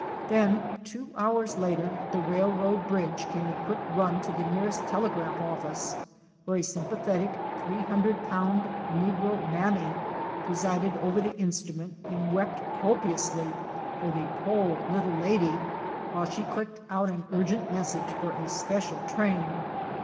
Then two hours later at the railroad bridge came a quick run to the nearest telegraph office, where a sympathetic, 300 pound negro '"'mammy"' presided over the instrument and wept copiously for the "po' lil' lady," while she clicked out an urgent message for a special train.